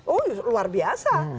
oh luar biasa